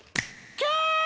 「」キャーッ！